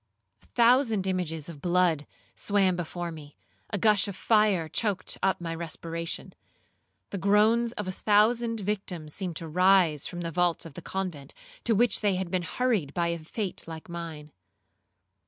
A thousand images of blood swam before me,—a gush of fire choaked up my respiration. The groans of a thousand victims seemed to rise from the vaults of the convent, to which they had been hurried by a fate like mine.